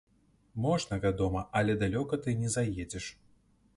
Можна, вядома, але далёка ты не заедзеш.